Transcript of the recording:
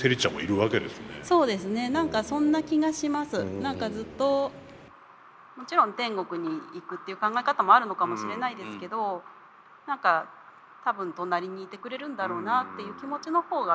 何かずっともちろん天国に行くっていう考え方もあるのかもしれないですけど何か多分隣にいてくれるんだろうなっていう気持ちの方が結構大きくて。